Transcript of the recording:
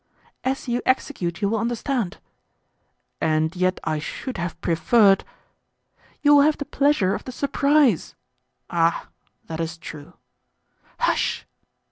"As you execute you will understand." "And yet I should have preferred——" "You will have the pleasure of the surprise." "Ah, that is true." "Hush!"